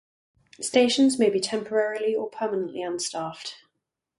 Stations may be temporarily or permanently unstaffed.